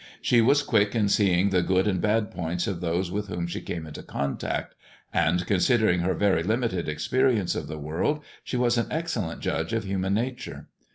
She was quick in seeing the good and bad points of those with whom she came into contact; and, considering her very limited experience of the world, she was an excellent judge of human nature.